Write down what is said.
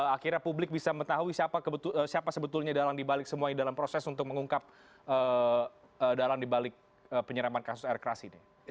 akhirnya publik bisa mengetahui siapa sebetulnya dalang dibalik semua ini dalam proses untuk mengungkap dalang dibalik penyerapan kasus rkras ini